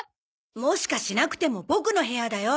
もしかしなくてもボクの部屋だよ。